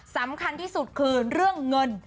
สำคัญที่สุดคือเรื่องเงิน